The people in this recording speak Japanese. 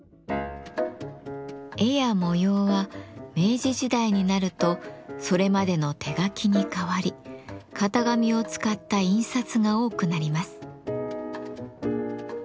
絵や模様は明治時代になるとそれまでの手描きに代わり型紙を使った印刷が多くなります。